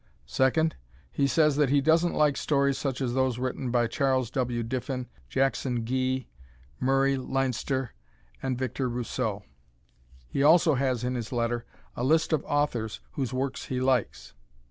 Second, he says that he doesn't like stories such as those written by Charles W. Diffin, Jackson Gee, Murray Leinster and Victor Rousseau. He also has in his letter a list of authors whose works he likes.